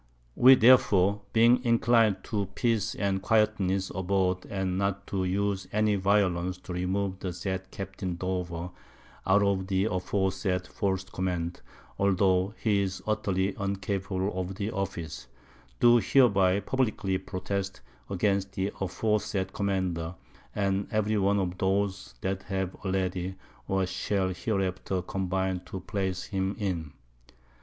_ We therefore (being inclin'd to Peace and Quietness aboard and not to use any Violence to remove the said Captain Dover _out of the aforesaid forc'd Command, although he is utterly uncapable of the Office) do hereby publickly Protest against the aforesaid Commander, and every one of those that have already, or shall hereafter combine to place him in.